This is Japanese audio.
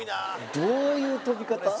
どういう跳び方？